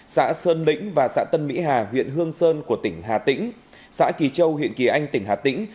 xã sơn lĩnh và xã tân mỹ hà huyện hương sơn của tỉnh hà tĩnh xã kỳ châu huyện kỳ anh tỉnh hà tĩnh